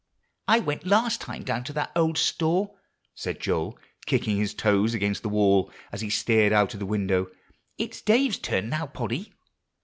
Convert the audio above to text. "I went last time down to that old store," said Joel, kicking his toes against the wall as he stared out of the window; "it's Dave's turn now, Polly."